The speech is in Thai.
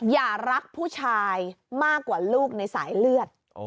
อย่ารักผู้ชายมากกว่าลูกในสายเลือด